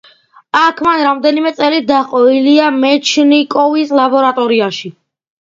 აქ მან რამდენიმე წელი დაჰყო ილია მეჩნიკოვის ლაბორატორიაში.